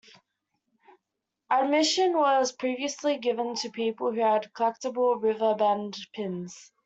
Admission was previously given to people who had collectible "Riverbend Pins".